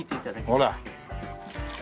ほら。